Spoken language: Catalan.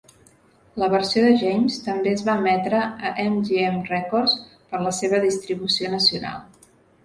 La versió de James també es va emetre a M-G-M Records per a la seva distribució nacional.